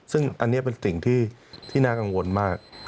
ซึ่งอันนี้เป็นสิ่งที่น่ากังวลมาก